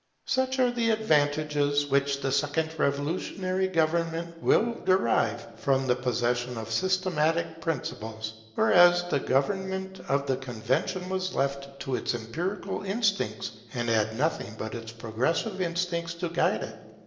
Such are the advantages which the second revolutionary government will derive from the possession of systematic principles; whereas the government of the Convention was left to its empirical instincts, and had nothing but its progressive instincts to guide it.